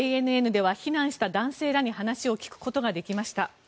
ＡＮＮでは避難した男性らに話を聞くことができました。